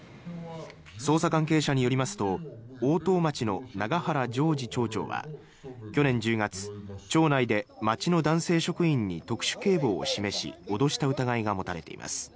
捜査関係者によりますと大任町の永原譲二町長は去年１０月、町内で町の男性職員に特殊警棒を示し脅した疑いが持たれています。